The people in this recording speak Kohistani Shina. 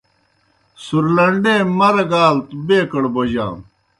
سُرلنڈے مرگ آلوْ بیکوڑ بوجانوْ